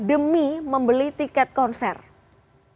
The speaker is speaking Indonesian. demi membeli tiket konsernya